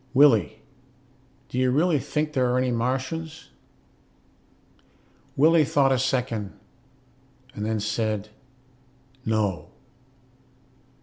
Willie, do you really think there are any Martians?" Willie thought a second and then said, "No."